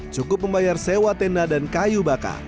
cukup membayar sewa tenda dan kayu bakar